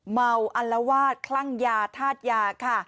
เมาอรวาสคลั่งยาทาดยาค่ะ